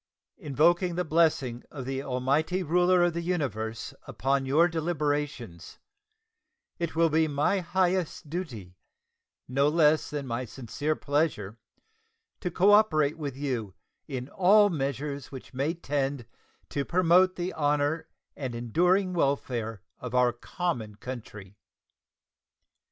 Invoking the blessing of the Almighty Ruler of the Universe upon your deliberations, it will be my highest duty, no less than my sincere pleasure, to cooperate with you in all measures which may tend to promote the honor and enduring welfare of our common country.